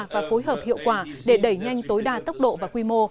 và phối hợp hiệu quả để đẩy nhanh tối đa tốc độ và quy mô